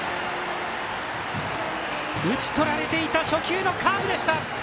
打ち取られていた初球のカーブでした。